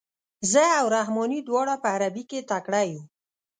زه او رحماني دواړه په عربي کې تکړه یو.